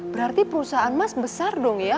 berarti perusahaan emas besar dong ya